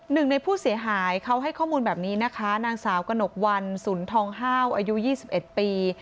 หนึ่งในผู้เสียหายเขาให้ข้อมูลแบบนี้นะคะนางสาวกระหนกวันสุนทองห้าวอายุ๒๑ปี